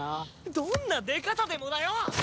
どんな出方でもだよ！